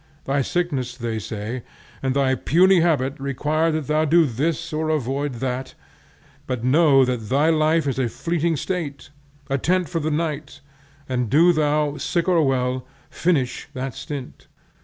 Thy sickness, they say, and thy puny habit require that thou do this or avoid that, but know that thy life is a flitting state, a tent for a night, and do thou, sick or well, finish that stint.